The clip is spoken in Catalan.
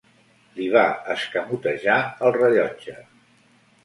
Li va escamotejar el rellotge.